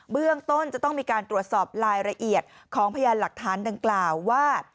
เบื้องต้นจะต้องมีการตรวจสอบรายละเอียดของพยานหลักฐานดังกล่าวว่า